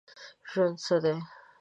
ژوند څه دی ؟